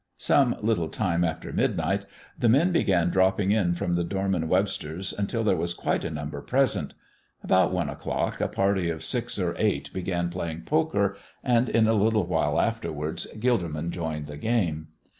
Some little time after midnight the men began dropping in from the Dorman Websters' until there was quite a number present. About one o'clock a party of six or eight began playing poker, and in a little while afterwards Gilderman joined the game.